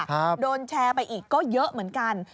โดนแชร์ไปอีกก็เยอะเหมือนกัน